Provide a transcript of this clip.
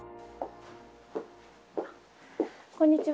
こんにちは。